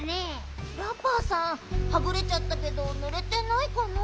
ラッパーさんはぐれちゃったけどぬれてないかな？